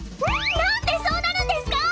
なんでそうなるんですか！？